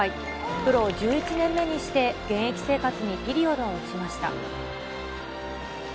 プロ１１年目にして現役生活にピリオドを打ちました。